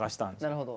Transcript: なるほど。